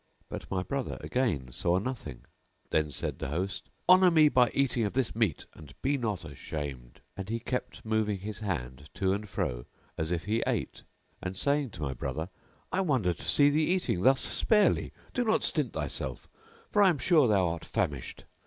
But my brother again saw nothing. Then said the host, "Honour me by eating of this meat and be not ashamed." And he kept moving his hand to and fro as if he ate and saying to my brother, "I wonder to see thee eating thus sparely: do not stint thyself for I am sure thou art famished."